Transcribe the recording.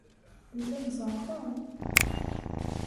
Llan zeɛɛḍen.